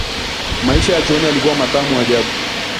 Maisha ya chuoni yalikuwa matamu ajabu